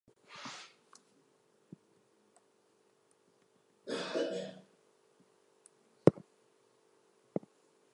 Some time later Sadie Peterson Delaney became employed at the branch.